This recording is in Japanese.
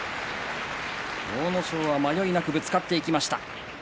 阿武咲は迷いなくぶつかっていきました。